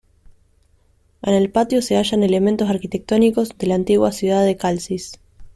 En el patio se hallan elementos arquitectónicos de la antigua ciudad de Calcis.